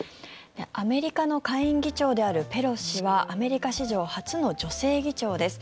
アメリカの下院議長であるペロシ氏はアメリカ史上初の女性議長です。